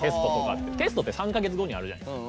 テストって３か月後にあるじゃないですか。